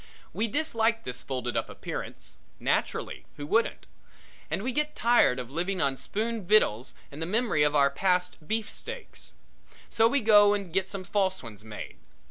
We dislike this folded up appearance naturally who wouldn't? And we get tired of living on spoon victuals and the memory of past beef steaks. So we go and get some false ones made.